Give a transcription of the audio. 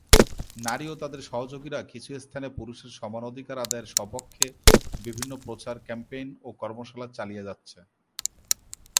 নারী ও তাদের সহযোগীরা কিছু স্থানে পুরুষের সমান অধিকার আদায়ের স্বপক্ষে বিভিন্ন প্রকার ক্যাম্পেইন ও কর্মশালা চালিয়ে যাচ্ছে।